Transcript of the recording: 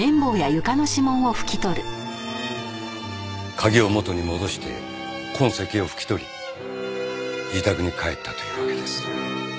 鍵を元に戻して痕跡を拭き取り自宅に帰ったというわけです。